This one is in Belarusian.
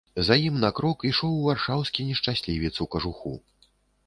За ім на крок ішоў варшаўскі нешчаслівец у кажуху.